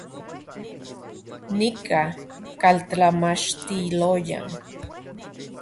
Nika kaltlamachtiloyan